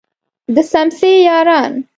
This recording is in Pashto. د څمڅې یاران.